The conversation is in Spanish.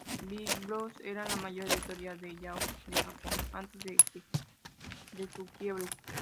Biblos era la mayor editorial de yaoi de Japón antes de su quiebre.